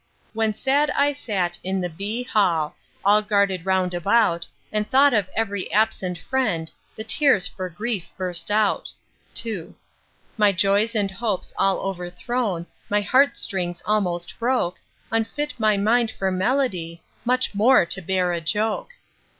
When sad I sat in B——n Hall, All guarded round about, And thought of ev'ry absent friend, The tears for grief burst out. II. My joys and hopes all overthrown, My heart strings almost broke, Unfit my mind for melody, Much more to bear a joke.